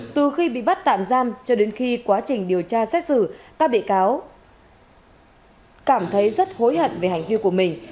từ khi bị bắt tạm giam cho đến khi quá trình điều tra xét xử các bị cáo cảm thấy rất hối hận về hành vi của mình